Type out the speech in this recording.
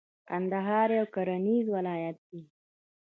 کندهار یو کرنیز ولایت دی.